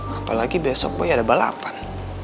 apalagi besok pagi ada balapan